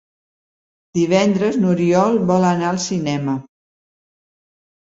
Divendres n'Oriol vol anar al cinema.